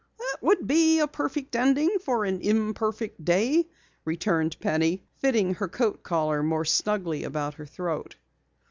"That would be a perfect ending for an imperfect day," returned Penny, fitting her coat collar more snugly about her throat.